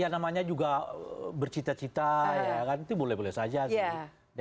ya namanya juga bercita cita ya kan itu boleh boleh saja sih